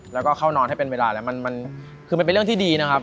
แล้วก็เข้านอนให้เป็นเวลาแล้วมันคือมันเป็นเรื่องที่ดีนะครับ